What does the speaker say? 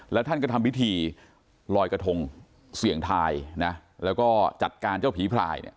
แล้วท่านก็ทำพิธีลอยกระทงเสี่ยงทายนะแล้วก็จัดการเจ้าผีพลายเนี่ย